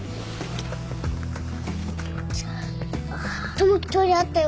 友樹トイレあったよ。